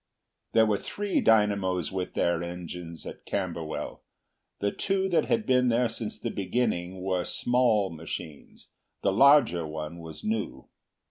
There were three dynamos with their engines at Camberwell. The two that had been there since the beginning were small machines; the larger one was new.